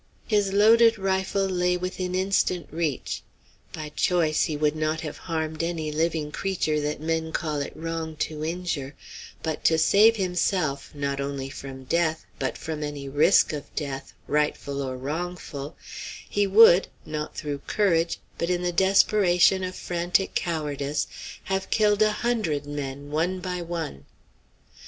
His loaded rifle lay within instant reach. By choice he would not have harmed any living creature that men call it wrong to injure; but to save himself, not only from death, but from any risk of death, rightful or wrongful, he would, not through courage, but in the desperation of frantic cowardice, have killed a hundred men, one by one.